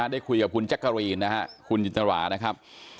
ได้คุยกับคุณแจ๊กกะรีนนะครับคุณจินตรานะครับ